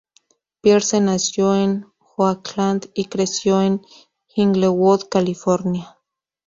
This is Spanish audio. Pierce nació en Oakland y creció en Inglewood, California.